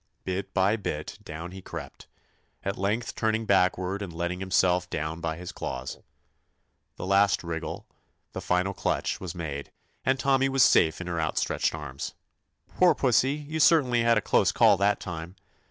Bit by bit down he crept, at length turning backward and letting himself down by his claws. The last wriggle, the final clutch, was made, and Tommy was safe in her out stretched arms. 'Toor pussy, you cer 82 TOMMY POSTOFFICE tainly had a close call that time.